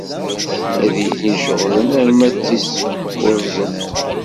Ad ilin ceɣlen arma d tis kuẓet.